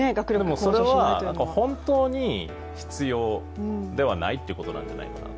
それは本当に必要ではないということなんじゃないのかなと。